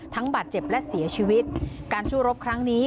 บาดเจ็บและเสียชีวิตการสู้รบครั้งนี้